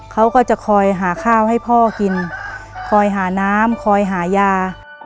เขาก็จะคอยหาข้าวให้พ่อกินคอยหาน้ำคอยหายา